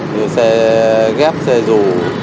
như xe ghép xe rù